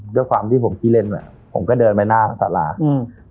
ด้วยความที่ผมขี้เล่นอ่ะผมก็เดินไปหน้าสาราอืม